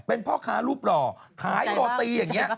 เป็นพ่อค้ารูปหล่อขายโรตีอย่างนี้